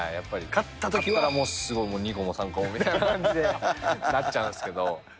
勝ったらもう、すごい２個も３個もみたいな感じでなっちゃうんですけど。